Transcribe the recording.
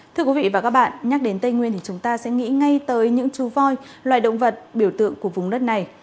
thưa quý vị và các bạn nhắc đến tây nguyên thì chúng ta sẽ nghĩ ngay tới những chú voi loài động vật biểu tượng của vùng đất này